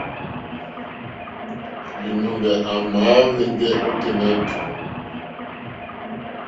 Līnɔ̄ŋgɛ̄ à màá hwēŋgɛ́ ôténá tùú.